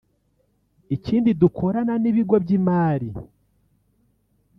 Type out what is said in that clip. Ikindi dukorana n’ibigo by’imari